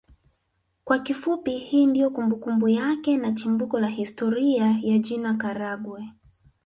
Kwa kifupi hii ndio kumbukumbu yake na chimbuko la historia ya jina Karagwe